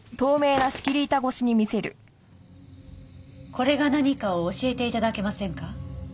これが何かを教えて頂けませんか？